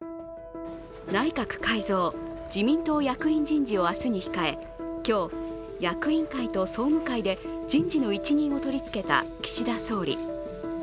内閣改造・自民党役員人事を明日に控え、今日、役員会と総務会で人事の一任を取りつけた岸田総理。